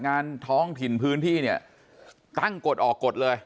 งานท้องถิ่นพื้นที่เนี่ยตั้งกฎออกกฎเลย